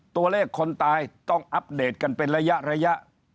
ตัวเลขคนตายต้องอัปเดตกันเป็นระยะ